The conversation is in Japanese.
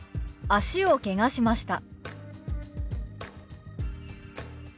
「脚をけがしました」。